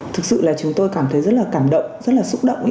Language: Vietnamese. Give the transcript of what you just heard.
thực sự là chúng tôi cảm thấy rất là cảm động rất là xúc động